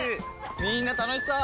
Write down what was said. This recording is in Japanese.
みんな楽しそう！